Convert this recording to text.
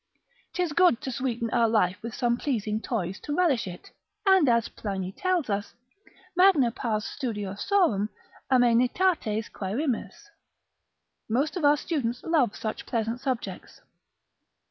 'tis good to sweeten our life with some pleasing toys to relish it, and as Pliny tells us, magna pars studiosorum amaenitates quaerimus, most of our students love such pleasant subjects.